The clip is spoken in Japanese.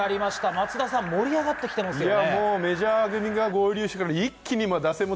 松田さん、盛り上がってきてますよね。